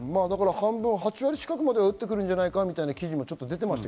８割くらいは打ってくるのではないかという記事も出ていました。